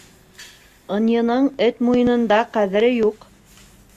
Ынйының эт муйынында ҡәҙере юҡ.